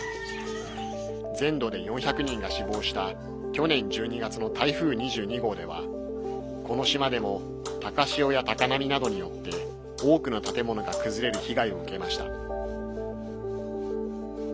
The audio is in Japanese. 全土で４００人が死亡した去年１２月の台風２２号ではこの島でも高潮や高波などによって多くの建物が崩れる被害を受けました。